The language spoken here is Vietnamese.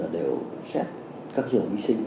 đều xét các trường hy sinh